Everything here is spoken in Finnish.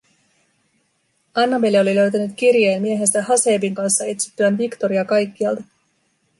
Annabelle oli löytänyt kirjeen miehensä Haseebin kanssa etsittyään Victoria kaikkialta.